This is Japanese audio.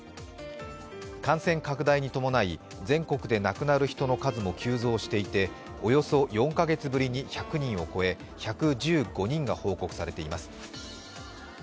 感染拡大に伴い、全国で亡くなる人の数も急増していて、およそ４カ月ぶりに１００人を超え１１５人が報告されています。